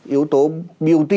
yếu tố beauty